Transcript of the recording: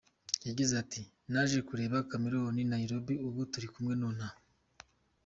Yagize ati: “Naje kureba Chameleone Nairobi ubu turikumwe hano.